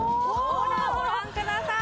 ほらご覧ください！